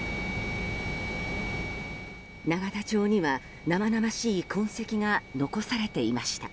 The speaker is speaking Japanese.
永田町には生々しい痕跡が残されていました。